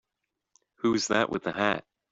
Who's that with the hat?